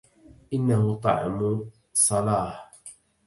إنه طعم صلاهْ